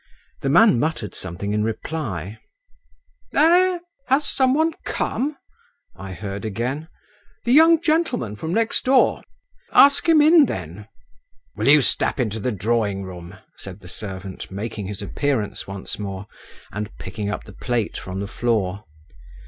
The man muttered something in reply. "Eh…. Has some one come?" I heard again…. "The young gentleman from next door. Ask him in, then." "Will you step into the drawing room?" said the servant, making his appearance once more, and picking up the plate from the floor.